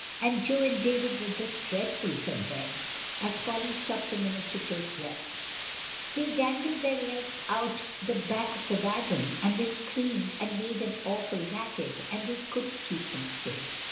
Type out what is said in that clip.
"And Joe and David were just dreadful," said Ben, as Polly stopped a minute to take breath; "they dangled their legs out the back of the wagon, and they screamed and made an awful racket we couldn't keep them still.